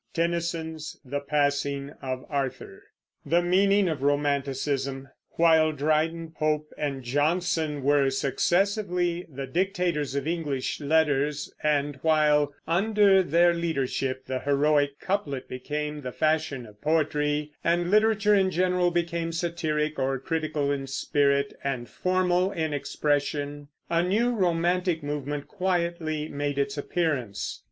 Tennyson's "The Passing of Arthur." THE MEANING OF ROMANTICISM. While Dryden, Pope, and Johnson were successively the dictators of English letters, and while, under their leadership, the heroic couplet became the fashion of poetry, and literature in general became satiric or critical in spirit, and formal in expression, a new romantic movement quietly made its appearance.